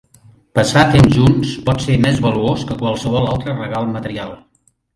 Passar temps junts pot ser més valuós que qualsevol altre regal material.